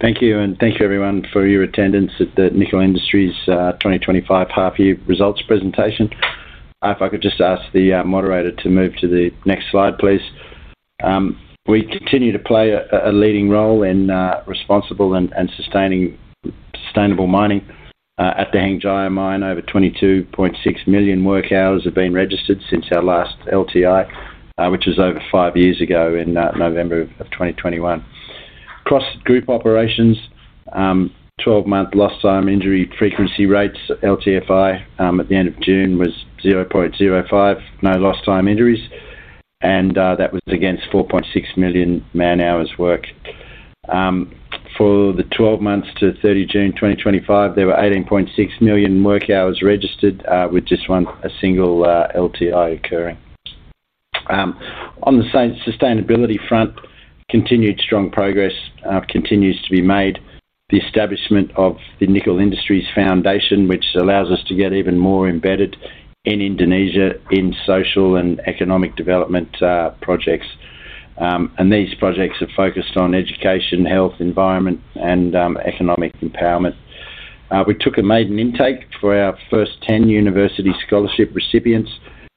Thank you, and thank you, everyone, for your attendance at the Nickel Industries 2025 half-year results presentation. If I could just ask the moderator to move to the next slide, please. We continue to play a leading role in responsible and sustainable mining. At the Hengjaya Mine, over 22.6 million work hours have been registered since our last LTI, which was over five years ago in November of 2021. Across group operations, 12-month lost time injury frequency rates, LTIFR at the end of June was 0.05, no lost time injuries, and that was against 4.6 million man-hours worked. For the 12 months to 30 June 2025, there were 18.6 million work hours registered with just one single LTI occurring. On the sustainability front, continued strong progress continues to be made. The establishment of the Nickel Industries Foundation, which allows us to get even more embedded in Indonesia in social and economic development projects. These projects are focused on education, health, environment, and economic empowerment. We took a maiden intake for our first 10 university scholarship recipients,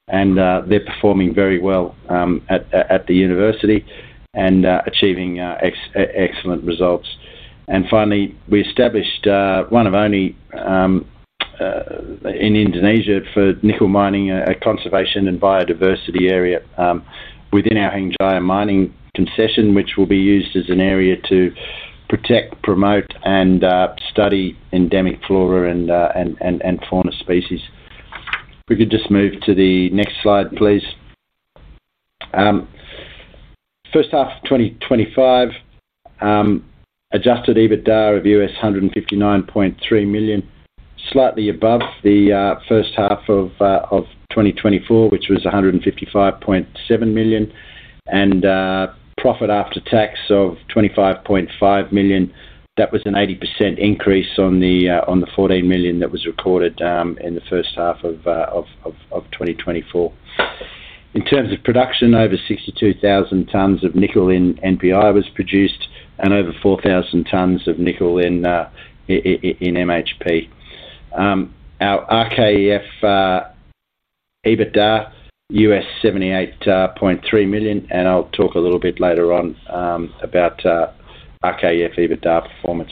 and they're performing very well at the university and achieving excellent results. Finally, we established one of only in Indonesia for nickel mining, a conservation and biodiversity area within our Hengjaya Mine concession, which will be used as an area to protect, promote, and study endemic flora and fauna species. If we could just move to the next slide, please. First half of 2025, adjusted EBITDA of $159.3 million, slightly above the first half of 2024, which was $155.7 million, and profit after tax of $25.5 million. That was an 80% increase on the $14 million that was recorded in the first half of 2024. In terms of production, over 62,000 tons of nickel in NPI was produced and over 4,000 tons of nickel in MHP. Our RKEF EBITDA, $78.3 million, and I'll talk a little bit later on about RKEF EBITDA performance.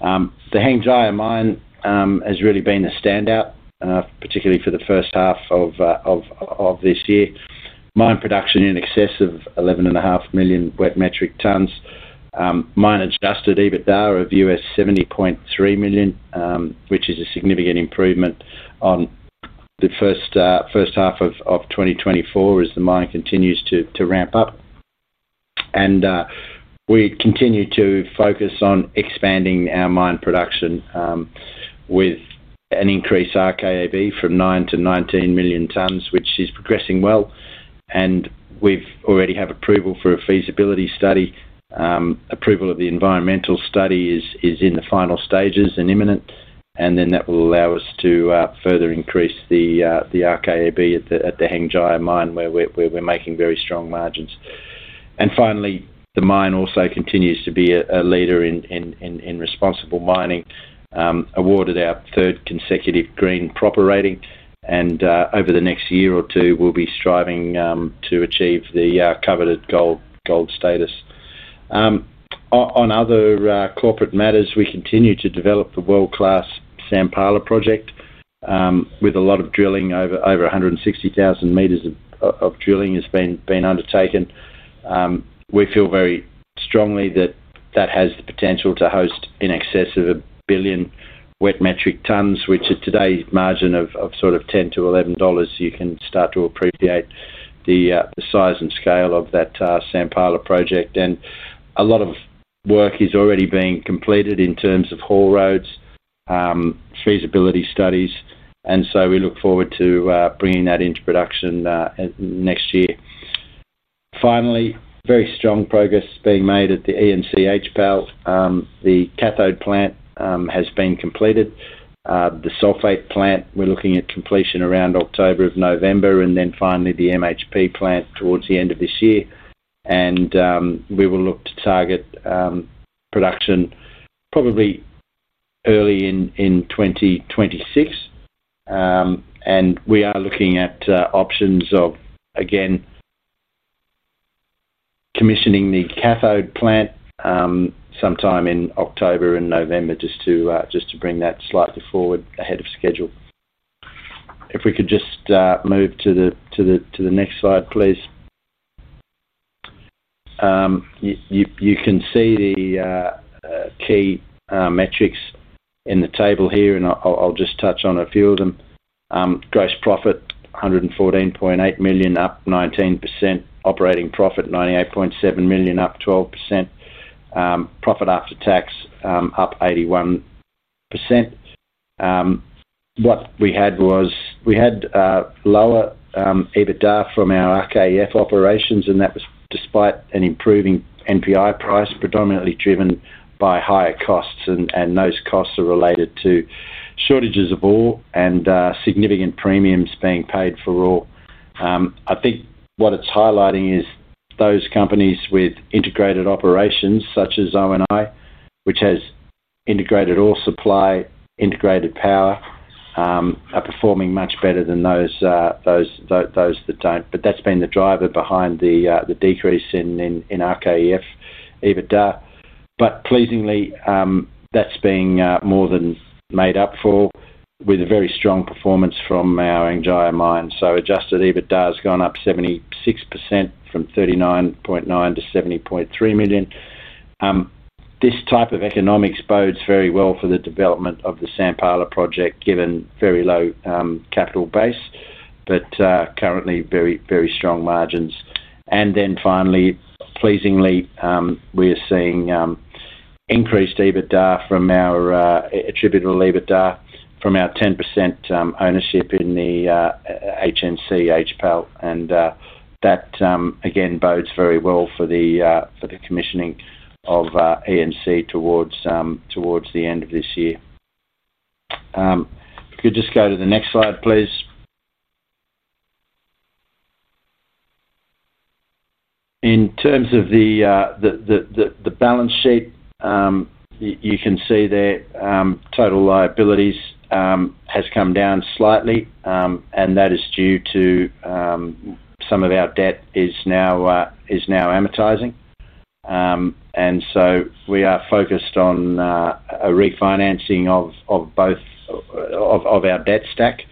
The Hengjaya Mine has really been the standout, particularly for the first half of this year. Mine production in excess of 11.5 million wet metric tons. Mine adjusted EBITDA of $70.3 million, which is a significant improvement on the first half of 2024 as the mine continues to ramp up. We continue to focus on expanding our mine production with an increased RKEF from 9 million-19 million tons, which is progressing well. We already have approval for a feasibility study. Approval of the environmental study is in the final stages and imminent, and then that will allow us to further increase the RKEF at the Hengjaya Mine where we're making very strong margins. Finally, the mine also continues to be a leader in responsible mining, awarded our third consecutive Green PROPER rating, and over the next year or two, we'll be striving to achieve the coveted gold status. On other corporate matters, we continue to develop the world-class Sampala project with a lot of drilling. Over 160,000 m of drilling has been undertaken. We feel very strongly that that has the potential to host in excess of a billion wet metric tons, which at today's margin of sort of $10 to $11, you can start to appreciate the size and scale of that Sampala project. A lot of work is already being completed in terms of haul roads, feasibility studies, and we look forward to bringing that into production next year. Very strong progress is being made at the ENC HPAL. The cathode plant has been completed. The sulphate plant, we're looking at completion around October or November, and finally the mixed hydroxide precipitate plant towards the end of this year. We will look to target production probably early in 2026. We are looking at options of, again, commissioning the cathode plant sometime in October or November just to bring that slightly forward ahead of schedule. If we could just move to the next slide, please. You can see the key metrics in the table here, and I'll just touch on a few of them. Gross profit, $114.8 million, up 19%. Operating profit, $98.7 million, up 12%. Profit after tax, up 81%. What we had was we had lower EBITDA from our RKEF operations, and that was despite an improving NPI price, predominantly driven by higher costs. Those costs are related to shortages of ore and significant premiums being paid for ore. I think what it's highlighting is those companies with integrated operations, such as [RNI], which has integrated ore supply, integrated power, are performing much better than those that don't. That's been the driver behind the decrease in RKEF EBITDA. Pleasingly, that's being more than made up for with a very strong performance from our Hengjaya Mine. Adjusted EBITDA has gone up 76% from $39.9 million to $70.3 million. This type of economics bodes very well for the development of the Sampala project, given very low capital base, but currently very, very strong margins. Finally, pleasingly, we are seeing increased EBITDA from our attributable EBITDA from our 10% ownership in the HNC HPAL. That, again, bodes very well for the commissioning of ENC towards the end of this year. If you could just go to the next slide, please. In terms of the balance sheet, you can see that total liabilities have come down slightly, and that is due to some of our debt now amortizing. We are focused on a refinancing of both of our debt stack,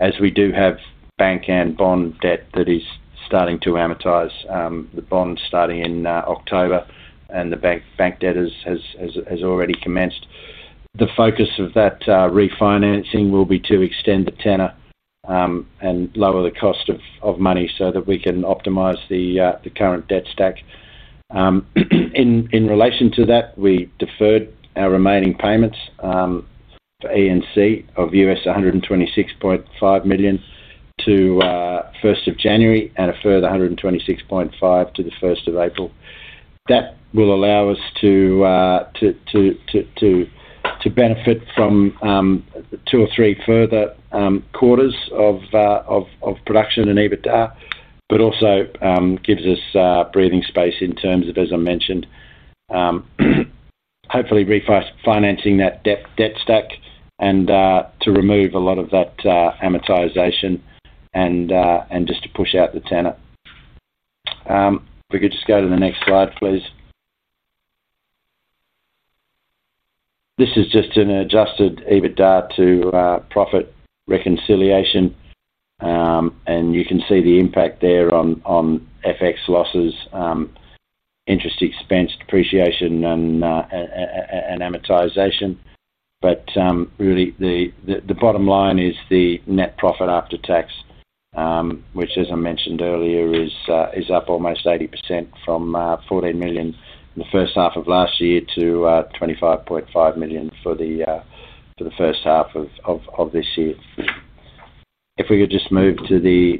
as we do have bank and bond debt that is starting to amortize. The bonds start in October and the bank debt has already commenced. The focus of that refinancing will be to extend the tenor and lower the cost of money so that we can optimize the current debt stack. In relation to that, we deferred our remaining payments for ENC of $126.5 million to January 1 and a further $126.5 million to April 1. That will allow us to benefit from two or three further quarters of production in EBITDA, but also gives us breathing space in terms of, as I mentioned, hopefully refinancing that debt stack and to remove a lot of that amortization and just to push out the tenor. If we could just go to the next slide, please. This is just an adjusted EBITDA to profit reconciliation, and you can see the impact there on FX losses, interest expense, depreciation, and amortization. Really, the bottom line is the net profit after tax, which, as I mentioned earlier, is up almost 80% from $14 million in the first half of last year to $25.5 million for the first half of this year. If we could just move to the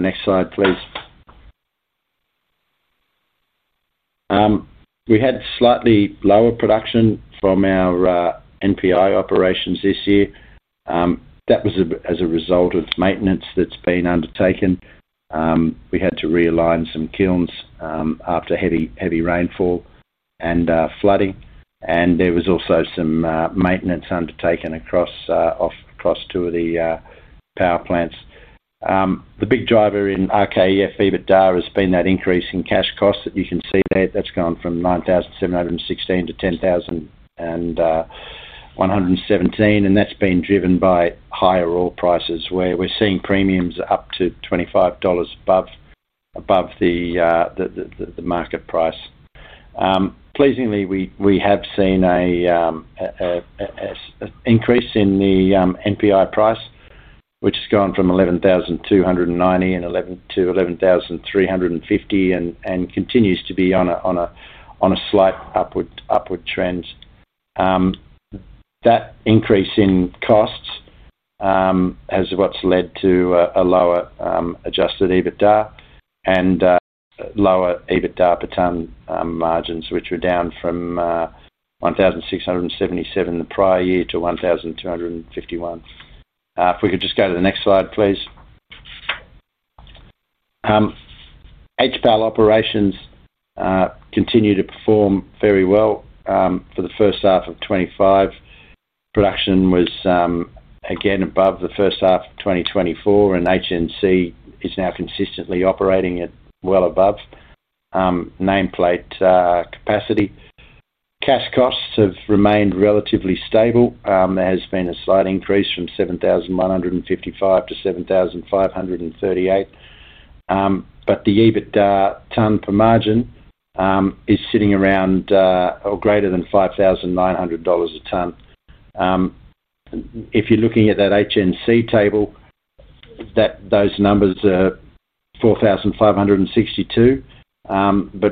next slide, please. We had slightly lower production from our NPI operations this year. That was as a result of maintenance that's been undertaken. We had to realign some kilns after heavy rainfall and flooding, and there was also some maintenance undertaken across two of the power plants. The big driver in RKEF EBITDA has been that increase in cash costs that you can see there. That's gone from $9,716 to $10,117, and that's been driven by higher ore prices, where we're seeing premiums up to $25 above the market price. Pleasingly, we have seen an increase in the NPI price, which has gone from $11,290 to $11,350 and continues to be on a slight upward trend. That increase in costs has led to a lower adjusted EBITDA and lower EBITDA per ton margins, which were down from $1,677 the prior year to $1,251. If we could just go to the next slide, please. HPAL operations continue to perform very well for the first half of 2025. Production was again above the first half of 2024, and HNC is now consistently operating at well above nameplate capacity. Cash costs have remained relatively stable. There has been a slight increase from $7,155 to $7,538, but the EBITDA ton per margin is sitting around or greater than $5,900 a ton. If you're looking at that HNC table, those numbers are $4,562.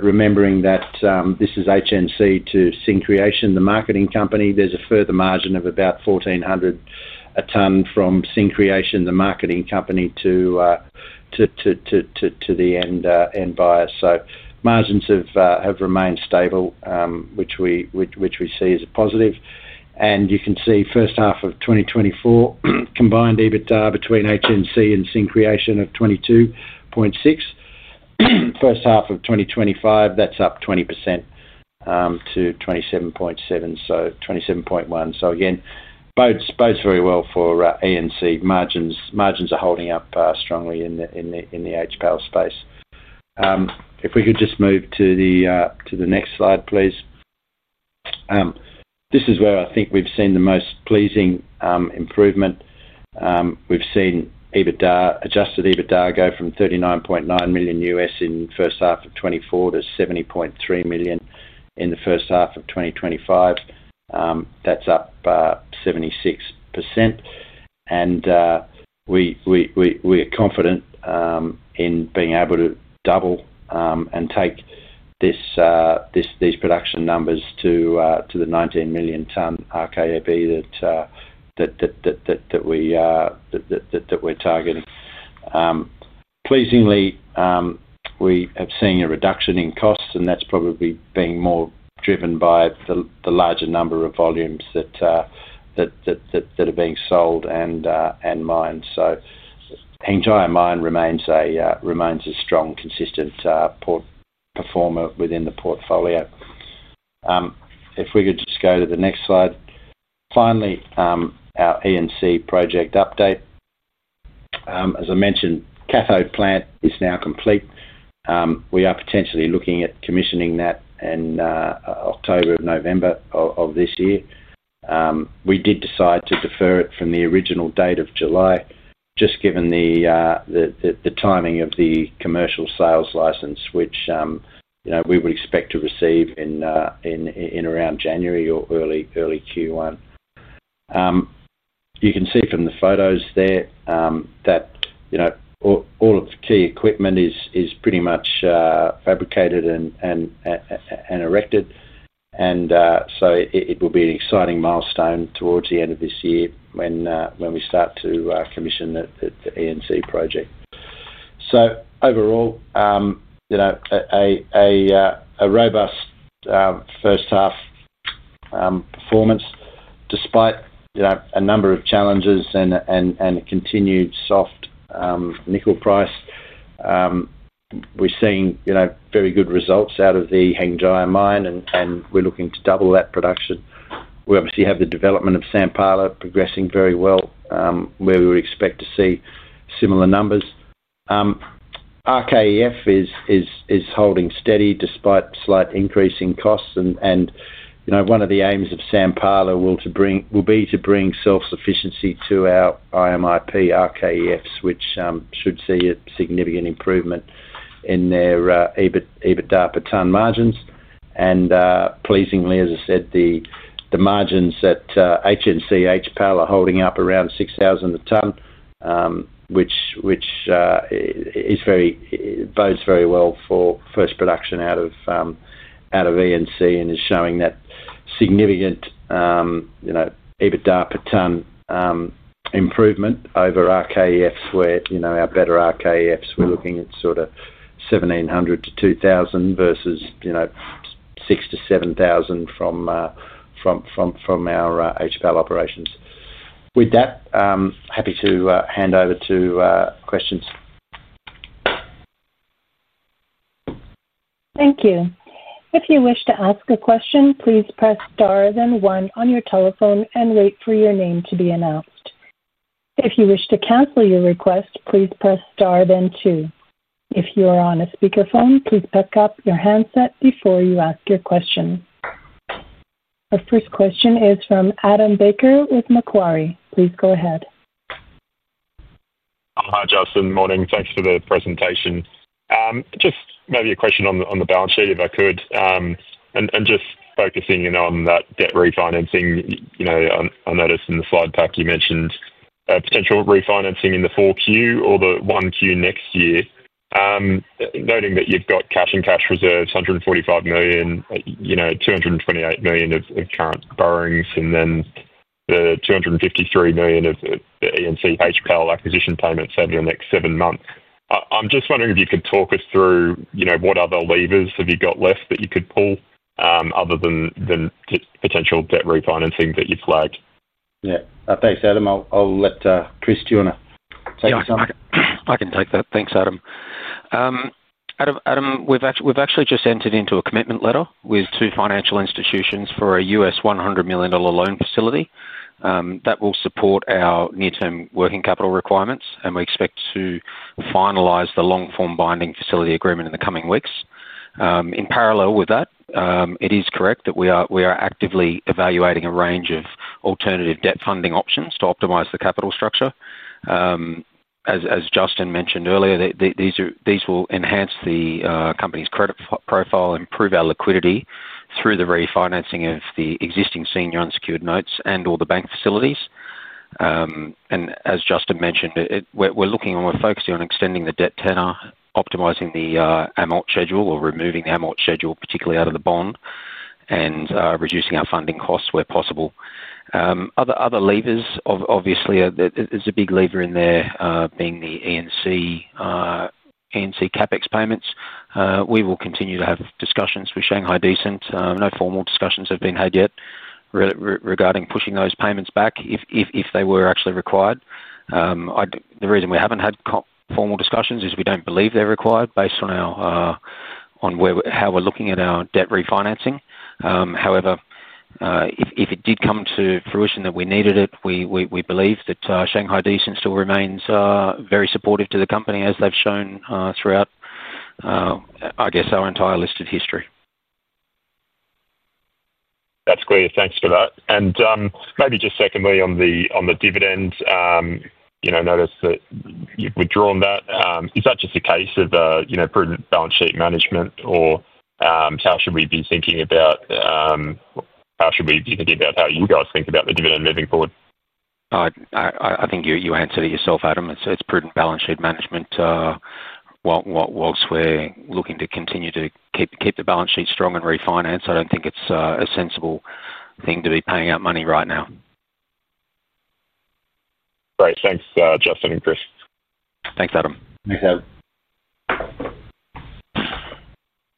Remembering that this is HNC to Syncreation, the marketing company, there's a further margin of about $1,400 a ton from Syncreation, the marketing company, to the end buyer. Margins have remained stable, which we see as a positive. You can see first half of 2024, combined EBITDA between HNC and Syncreation of 22.6. First half of 2025, that's up 20% to 27.7, so 27.1. This again bodes very well for ENC. Margins are holding up strongly in the HPAL space. If we could just move to the next slide, please. This is where I think we've seen the most pleasing improvement. We've seen adjusted EBITDA go from $39.9 million in the first half of 2024 to $70.3 million in the first half of 2025. That's up 76%. We are confident in being able to double and take these production numbers to the 19 million ton RKEF that we're targeting. Pleasingly, we have seen a reduction in costs, and that's probably being more driven by the larger number of volumes that are being sold and mined. So Hengjaya Mine remains a strong, consistent performer within the portfolio. If we could just go to the next slide. Finally, our ENC project update. As I mentioned, cathode plant is now complete. We are potentially looking at commissioning that in October or November of this year. We did decide to defer it from the original date of July, just given the timing of the commercial sales license, which we would expect to receive in around January or early Q1. You can see from the photos there that all of the key equipment is pretty much fabricated and erected. It will be an exciting milestone towards the end of this year when we start to commission the ENC project. Overall, a robust first half performance despite a number of challenges and a continued soft nickel price. We're seeing very good results out of the Hengjaya Mine, and we're looking to double that production. We obviously have the development of Sampala progressing very well, where we would expect to see similar numbers. RKEF is holding steady despite slight increase in costs. One of the aims of Sampala will be to bring self-sufficiency to our IMIP RKEFs, which should see a significant improvement in their EBITDA per ton margins. Pleasingly, as I said, the margins at HNC HPAL are holding up around $6,000 a ton, which bodes very well for first production out of ENC and is showing that significant EBITDA per ton improvement over RKEFs, where our better RKEFs, we're looking at sort of $1,700-$2,000 versus $6,000-$7,000 from our HPAL operations. With that, I'm happy to hand over to questions. Thank you. If you wish to ask a question, please press star then one on your telephone and wait for your name to be announced. If you wish to cancel your request, please press star then two. If you are on a speakerphone, please pick up your handset before you ask your question. Our first question is from Adam Baker with Macquarie. Please go ahead. Hi, Justin. Morning. Thanks for the presentation. Maybe a question on the balance sheet, if I could. Just focusing in on that debt refinancing, I noticed in the slide pack you mentioned potential refinancing in the 4Q or the 1Q next year. Noting that you've got cash and cash reserves, $145 million, $228 million of current borrowings, and the $253 million of the ENC HPAL acquisition payments over the next seven months. I'm just wondering if you could talk us through what other levers have you got left that you could pull other than potential debt refinancing that you've flagged? Yeah, thanks, Adam. I'll let Chris, do you want to take this on? I can take that. Thanks, Adam. Adam, we've actually just entered into a commitment letter with two financial institutions for a $100 million loan facility that will support our near-term working capital requirements, and we expect to finalize the long-form binding facility agreement in the coming weeks. In parallel with that, it is correct that we are actively evaluating a range of alternative debt funding options to optimize the capital structure. As Justin mentioned earlier, these will enhance the company's credit profile and improve our liquidity through the refinancing of the existing senior unsecured notes and/or the bank facilities. As Justin mentioned, we're looking and we're focusing on extending the debt tenor, optimizing the amortization schedule or removing the amortization schedule, particularly out of the bond, and reducing our funding costs where possible. Other levers, obviously, there's a big lever in there being the ENC CapEx payments. We will continue to have discussions with Shanghai Decent. No formal discussions have been had yet regarding pushing those payments back if they were actually required. The reason we haven't had formal discussions is we don't believe they're required based on how we're looking at our debt refinancing. However, if it did come to fruition that we needed it, we believe that Shanghai Decent still remains very supportive to the company, as they've shown throughout, I guess, our entire listed history. That's great. Thanks for that. Maybe just secondly, on the dividends, I noticed that you've withdrawn that. Is that just a case of a proven balance sheet management, or how should we be thinking about how you guys think about the dividend moving forward? I think you answered it yourself, Adam. It's prudent balance sheet management. Whilst we're looking to continue to keep the balance sheet strong and refinance, I don't think it's a sensible thing to be paying out money right now. Great. Thanks, Justin and Chris. Thanks, Adam. Thanks, Adam.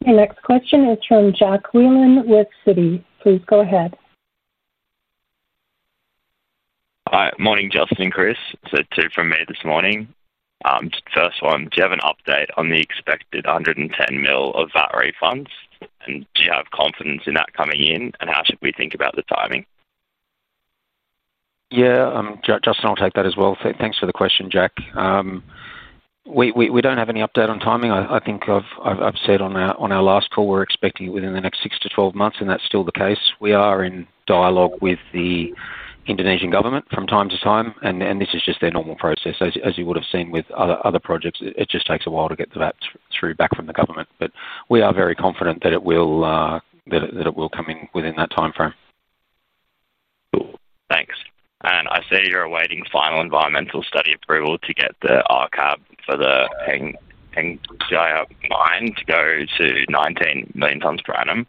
The next question is from Jack Whelan with Citi. Please go ahead. Hi. Morning, Justin and Chris. Two from me this morning. First one, do you have an update on the expected $110 million of VAT refunds, and do you have confidence in that coming in, and how should we think about the timing? Yeah. Justin, I'll take that as well. Thanks for the question, Jack. We don't have any update on timing. I think I've said on our last call we're expecting it within the next 6 to 12 months, and that's still the case. We are in dialogue with the Indonesian government from time to time, and this is just their normal process, as you would have seen with other projects. It just takes a while to get the VAT through back from the government. We are very confident that it will come in within that time frame. Thanks. I see you're awaiting final environmental study approval to get the RCAB for the Hengjaya Mine to go to 19 million tons per annum.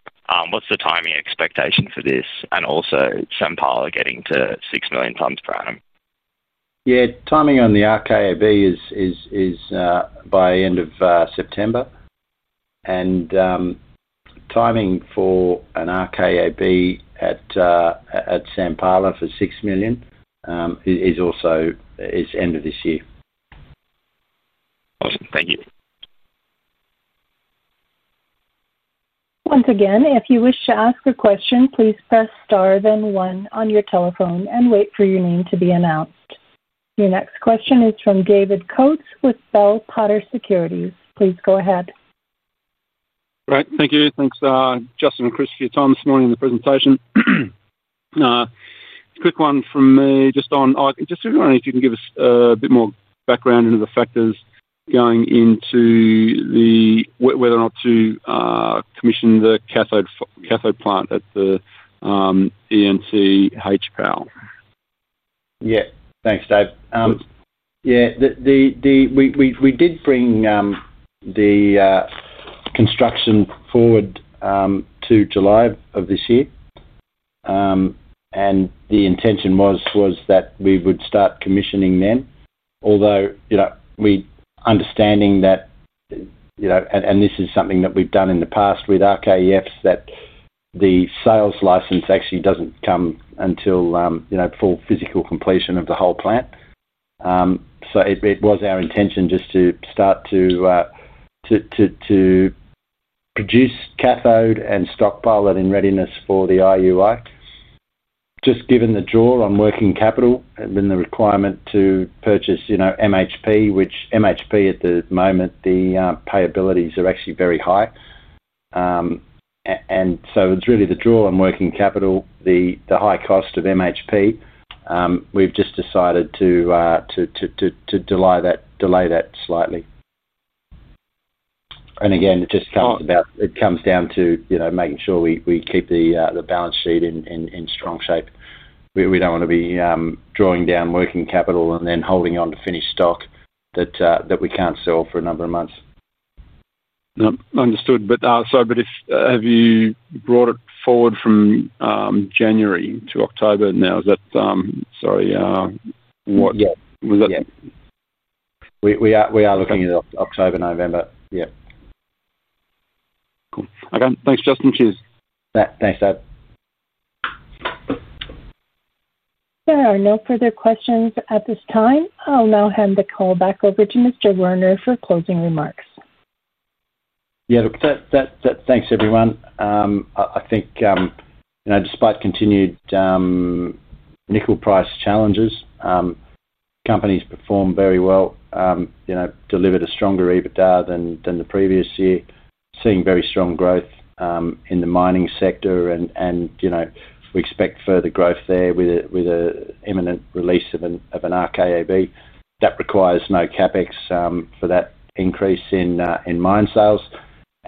What's the timing expectation for this and also Sampala getting to 6 million tons per annum? Yeah. Timing on the RKEF is by the end of September. Timing for an RKEF at Sampala for $6 million is also end of this year. Awesome. Thank you. Once again, if you wish to ask a question, please press star then one on your telephone and wait for your name to be announced. Your next question is from David Coates with Bell Potter Securities. Please go ahead. Right. Thank you. Thanks, Justin and Chris, for your time this morning and the presentation. Quick one from me, I just want to know if you can give us a bit more background into the factors going into whether or not to commission the cathode plant at the ENC HPAL. Yeah. Thanks, Dave. We did bring the construction forward to July of this year. The intention was that we would start commissioning then, although we understand that, and this is something that we've done in the past with RKEFs, the sales license actually doesn't come until full physical completion of the whole plant. It was our intention just to start to produce cathode and stockpile it in readiness for the IUI. Given the draw on working capital and the requirement to purchase MHP, which, at the moment, the payabilities are actually very high, it's really the draw on working capital, the high cost of MHP. We've just decided to delay that slightly. It just comes down to making sure we keep the balance sheet in strong shape. We don't want to be drawing down working capital and then holding on to finished stock that we can't sell for a number of months. No, understood. Have you brought it forward from January to October now? Is that, sorry, what was that? Yeah, we are looking at October, November. Yeah, cool. Okay. Thanks, Justin. Cheers. Thanks, Adam. There are no further questions at this time. I'll now hand the call back over to Mr. Werner for closing remarks. Yeah. Thanks, everyone. I think, you know, despite continued nickel price challenges, companies performed very well, delivered a stronger EBITDA than the previous year, seeing very strong growth in the mining sector. We expect further growth there with an imminent release of an RKEF that requires no CapEx for that increase in mine sales.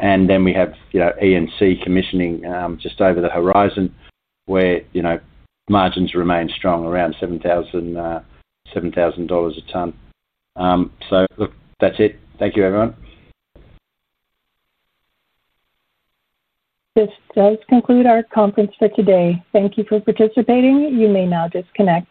We have ENC commissioning just over the horizon where margins remain strong around $7,000 a ton. Look, that's it. Thank you, everyone. This does conclude our conference for today. Thank you for participating. You may now disconnect.